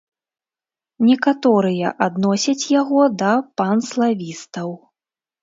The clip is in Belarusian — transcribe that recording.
Некаторыя адносяць яго да панславістаў.